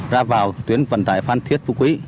ra vào tuyến vận tài phan thiết phú quý